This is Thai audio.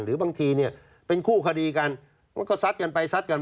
หรือบางทีเนี่ยเป็นคู่คดีกัน